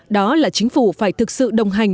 đó là chính phủ phải thực sự đồng hành